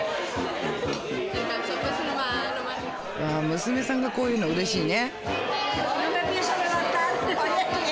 娘さんがこう言うのうれしいね。